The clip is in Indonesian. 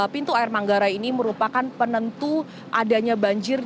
pintu air manggarai ini merupakan penentu adanya banjir